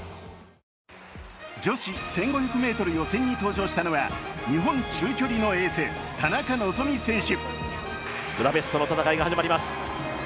女子１５００ｍ予選に出場したのは日本中距離界のエース、田中希実選手。